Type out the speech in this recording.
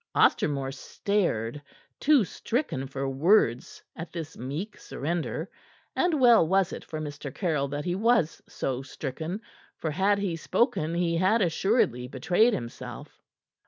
Ostermore stared, too stricken for words at this meek surrender; and well was it for Mr. Caryll that he was so stricken, for had he spoken he had assuredly betrayed himself.